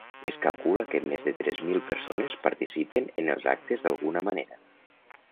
Es calcula que més de tres mil persones participen en els actes d’alguna manera.